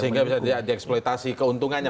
sehingga bisa dieksploitasi keuntungannya